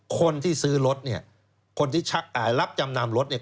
คนที่ซื้อรถเนี่ยคนที่รับจำนำรถเนี่ย